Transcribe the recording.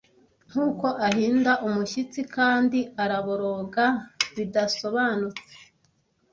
nkuko ahinda umushyitsi kandi araboroga bidasobanutse